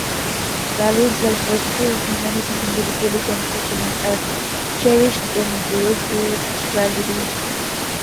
Values like virtue, humanity, individuality and true feelings are cherished in bourgeois tragedies.